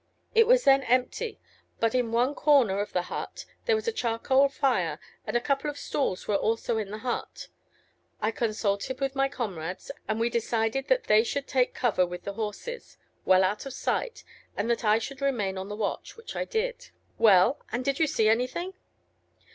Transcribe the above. It was then empty, but in one corner of the hut, there was a charcoal fire, and a couple of stools were also in the hut. I consulted with my comrades, and we decided that they should take cover with the horses, well out of sight, and that I should remain on the watch, which I did." "Well! and did you see anything?"